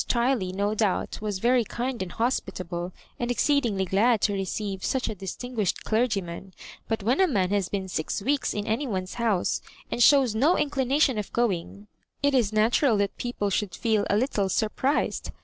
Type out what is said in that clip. Chiley no doubt was very kind and hospitable, and exceedingly glad to receive such a distinguished clergyman ; but when a man has been six weeks in anyone's house, and shows no inclination of going, it is natural that people should feel a little surprised.